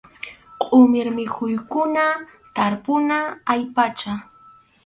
Qʼumir mikhuykuna tarpuna allpacha.